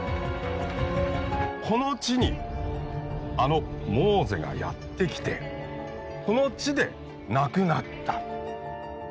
この地にあのモーゼがやって来てこの地で亡くなった。